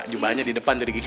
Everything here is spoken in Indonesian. jum'ahnya di depan dari gigi